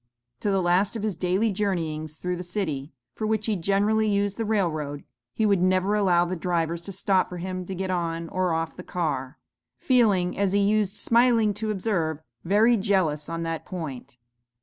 To the last of his daily journeyings through the city, for which he generally used the rail road, he would never allow the drivers to stop for him to get on or off the car, feeling, as he used smilingly to observe, 'very jealous on that point.'